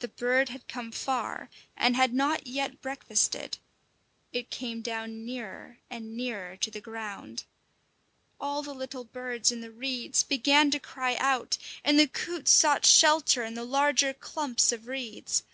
The bird had come far and had not yet breakfasted; it came down nearer and nearer to the ground. All the little birds in the reeds began to cry out, and the coots sought shelter in the larger clumps of reeds.